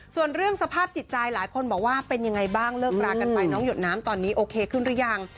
ส่วนเรื่องสภาพจิตใจหลายคนบอกว่าเป็นยังไงบ้างเลิกรากันไปน้องหยดน้ำตอนนี้โอเคขึ้นหรือยัง